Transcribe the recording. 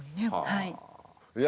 はい。